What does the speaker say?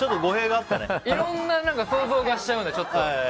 いろんな想像しちゃうので。